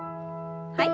はい。